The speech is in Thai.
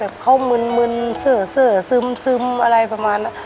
เขามึนเสอซึมอะไรประมาณนั้น